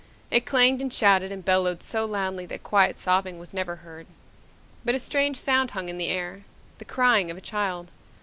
It clanged and shouted and bellowed so loudly that quiet sobbing was never heard. But a strange sound hung in the air, the crying of a child.